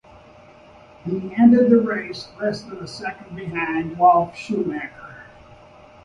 He ended the race less than a second behind Ralf Schumacher.